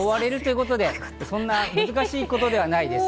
そんな難しいことではないです。